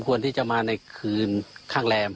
ควรที่จะมาในคืนข้างแรม